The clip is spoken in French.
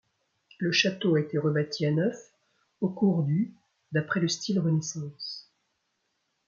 Le château a été rebâti à neuf au cours du d'après le style Renaissance.